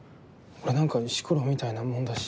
俺なんか石ころみたいなもんだし。